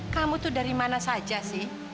kamu tuh dari mana saja sih